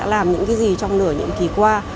làm những cái gì trong nửa những kỳ qua